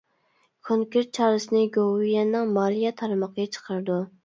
كونكرېت چارىسىنى گوۋۇيۈەننىڭ مالىيە تارمىقى چىقىرىدۇ.